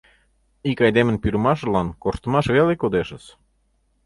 Ик айдемын пӱрымашыжлан корштымаш веле кодешыс.